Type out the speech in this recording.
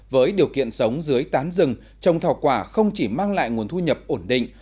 với điều kiện sống dưới tán rừng trồng thảo quả không chỉ mang lại nguồn thu nhập ổn định